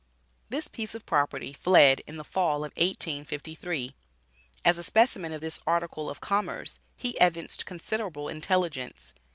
This "piece of property" fled in the fall of 1853. As a specimen of this article of commerce, he evinced considerable intelligence.